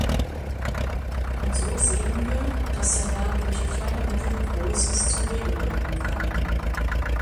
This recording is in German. Und so sehen wir, daß der Herr durch kleine Mittel Großes zuwege bringen kann.